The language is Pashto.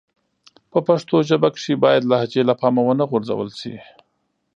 په پښتو ژبه کښي بايد لهجې له پامه و نه غورځول سي.